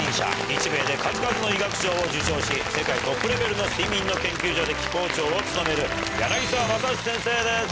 日米で数々の医学賞を受賞し世界トップレベルの睡眠の研究所で機構長を務める柳沢正史先生です。